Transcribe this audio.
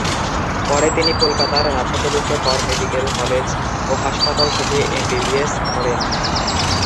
পরে তিনি কলকাতার রাধাগোবিন্দ কর মেডিক্যাল কলেজ ও হাসপাতাল থেকে এমবিবিএস করেন।